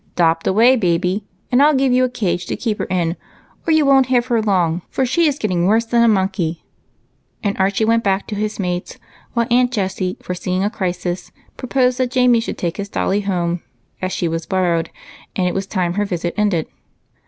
'"Dopt away, baby, and I'll give you a cage to keep her in, or you won't have her long, for she is get ting worse than a monkey ;" and Archie went back to his mates, while Aunt Jessie, foreseeing a crisis, pro posed that Jamie should take his dolly home, as she was borrowed, and it was time her visit ended.